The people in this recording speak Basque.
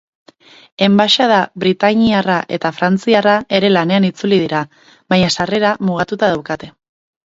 Enbaxada britainiarra eta frantziarra ere lanera itzuli dira, baina sarrera mugatuta daukate.